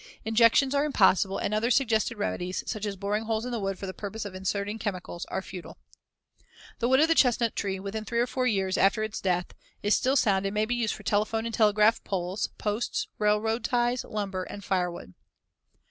Injections are impossible and other suggested remedies, such as boring holes in the wood for the purpose of inserting chemicals, are futile. The wood of the chestnut tree, within three or four years after its death, is still sound and may be used for telephone and telegraph poles, posts, railroad ties, lumber and firewood.